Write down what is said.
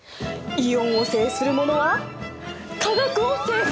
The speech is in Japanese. イオンを制するものは化学を制す。